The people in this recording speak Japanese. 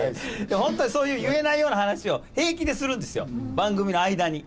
本当にそういう、言えないような話を平気でするんですよ、番組の間に。